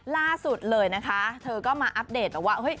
ล่าสุดเลยนะคะเธอก็มาอัปเดตว่า